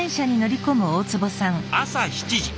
朝７時。